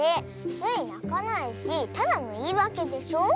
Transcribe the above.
スイなかないしただのいいわけでしょ？